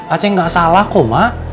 acing gak salah kok mak